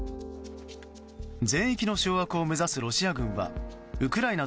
全域の掌握を目指すロシア軍はウクライナ